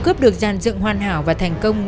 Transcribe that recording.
vụ cướp được dàn dựng hoàn hảo và thành công